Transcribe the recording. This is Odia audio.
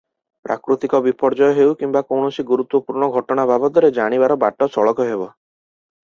ପ୍ରାକୃତିକ ବିପର୍ଯ୍ୟୟ ହେଉ କିମ୍ବା କୌଣସି ଗୁରୁତ୍ତ୍ୱପୂର୍ଣ୍ଣ ଘଟଣା ବାବଦରେ ଜାଣିବାର ବାଟ ସଳଖ ହେବ ।